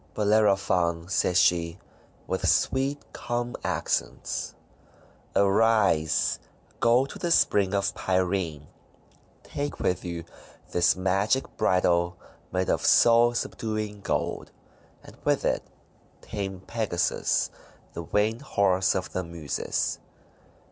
"Bellerophon," said she, with sweet, calm accents, "arise, go to the Spring of Pirene. Take with you this magic bridle made of soul sub duing gold, and with it tame Pegasus, the Winged 398 THE WONDER GARDEN Horse of the Muses.